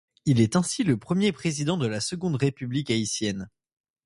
Il est ainsi le premier président de la Seconde République haïtienne.